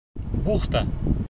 «Бухта...»